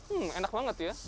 hmm enak banget ya